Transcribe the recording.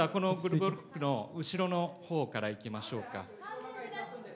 今度はこのブロックの後ろのほうからいきましょうか。